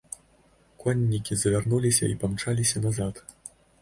Коннікі завярнуліся і памчаліся назад.